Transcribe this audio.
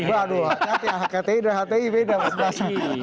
aduh kti dan hti beda mas bas